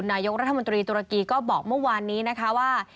นายกรัฐมนตรีตุรกีก็บอกเมื่อวานนี้นะคะว่า